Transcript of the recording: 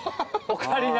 オカリナ。